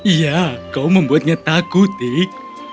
iya kau membuatnya takut nih